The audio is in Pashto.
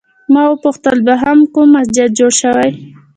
ما وپوښتل دوهم کوم مسجد جوړ شوی؟